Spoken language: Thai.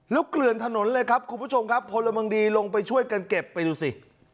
แล้วเกลือนถนนเลยครับคุณผู้ชมครับพลเมืองดีลงไปช่วยกันเก็บไปดูสิ